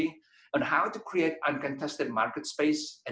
tentang cara membuat ruang pasar tanpa pertarungan